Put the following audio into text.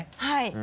はい。